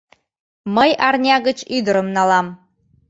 Мый арня гыч ӱдырым налам.